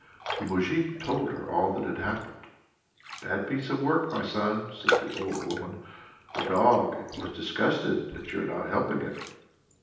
The moujik told her all that had happened. "A bad piece of work, my son!" said the old woman. "The dog was disgusted at your not helping it.